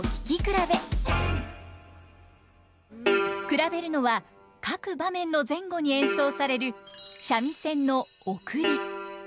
比べるのは各場面の前後に演奏される三味線のヲクリ。